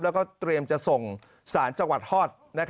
แล้วก็เตรียมจะส่งสารจังหวัดฮอต